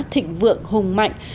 thịnh vượng hùng mạnh